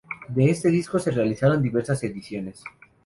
De este disco se realizaron diversas ediciones.